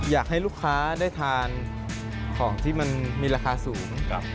อยากให้ลูกค้าได้ทานของที่มันมีราคาสูง